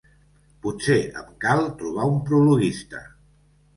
Potser em cal trobar un prologuista.